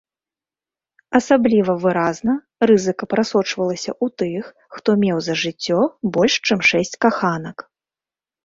Асабліва выразна рызыка прасочвалася ў тых, хто меў за жыццё больш чым шэсць каханак.